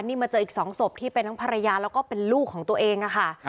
นี่มาเจออีก๒ศพที่เป็นทั้งภรรยาแล้วก็เป็นลูกของตัวเองค่ะ